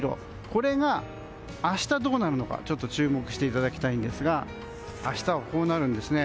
これが明日どうなるのか注目していただきたいんですが明日はこうなるんです。